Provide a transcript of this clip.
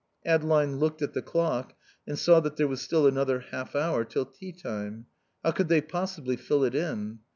Adeline looked at the clock and saw that there was still another half hour till tea time. How could they possibly fill it in?